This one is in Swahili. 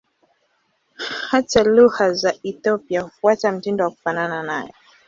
Hata lugha za Ethiopia hufuata mtindo wa kufanana nayo.